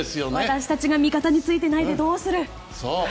私たちが味方に付いてないでどうする。